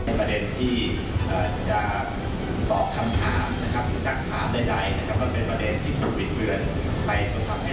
ในการขอบคำทับที่เขาพักต้องหาดังนั้นก็ไม่ใช่